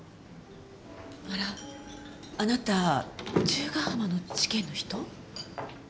・あらあなた十ヶ浜の事件の人？